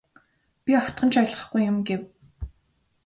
Би огтхон ч ойлгохгүй юм гэв.